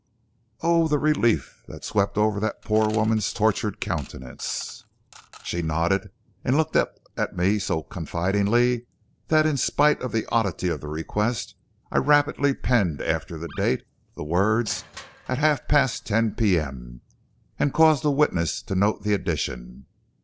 "Oh, the relief that swept over that poor woman's tortured countenance! She nodded and looked up at me so confidingly that in despite of the oddity of the request I rapidly penned after the date, the words 'at half past ten o'clock P.M.,' and caused the witnesses to note the addition.